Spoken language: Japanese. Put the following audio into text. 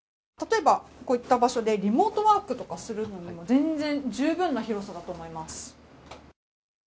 例えば、こういった場所でリモートワークとかするのに全然十分な広さだと思います。